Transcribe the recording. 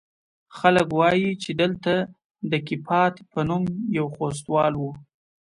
خلق وايي چې دلته د کيپات په نوم يو خوستوال و.